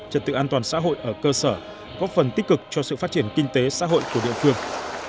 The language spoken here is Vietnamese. trật tự an toàn xã hội ở cơ sở góp phần tích cực cho sự phát triển kinh tế xã hội của địa phương